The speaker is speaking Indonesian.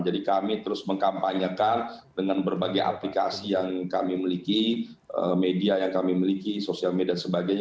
jadi kami terus mengkampanyakan dengan berbagai aplikasi yang kami miliki media yang kami miliki sosial media dan sebagainya